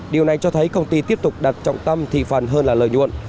điều này cho thấy công ty tiếp tục đặt trọng tâm thị phần hơn là lợi nhuận